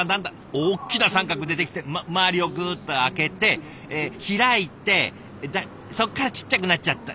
大きな三角出てきて周りをグッと開けて開いてそっからちっちゃくなっちゃった。